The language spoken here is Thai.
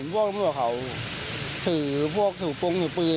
รอบนอกผมก็เห็นพวกตำรวจเขาถือพวกถูกปลุงถือปืน